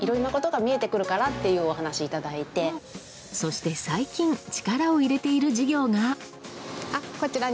そして最近力を入れている事業が。